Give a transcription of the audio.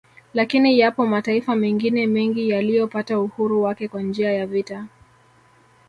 Lakini yapo mataifa mengine mengi yaliyopata uhuru wake kwa njia ya vita